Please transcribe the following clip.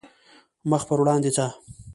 مخ پر وړاندې ځه .